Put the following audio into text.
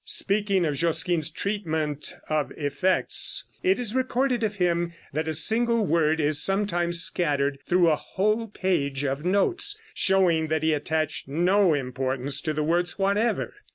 Speaking of Josquin's treatment of effects, it is recorded of him that a single word is sometimes scattered through a whole page of notes, showing that he attached no importance to the words whatever.